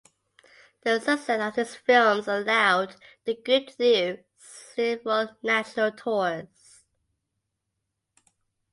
The success of these films allowed the group to do several national tours.